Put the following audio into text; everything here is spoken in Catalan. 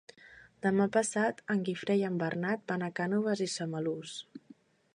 Demà passat en Guifré i en Bernat van a Cànoves i Samalús.